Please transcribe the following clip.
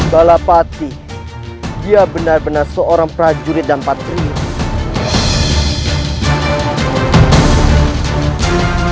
kalapati dia benar benar seorang prajurit dan patriot